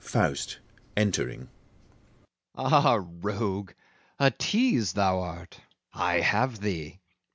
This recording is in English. FAUST (entering) Ah, rogue! a tease thou art: I have thee!